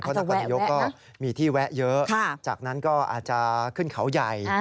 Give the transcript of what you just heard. นครนายกก็มีที่แวะเยอะจากนั้นก็อาจจะขึ้นเขาใหญ่